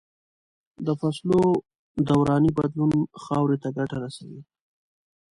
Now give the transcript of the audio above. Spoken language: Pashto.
د فصلو دوراني بدلون خاورې ته ګټه رسوي.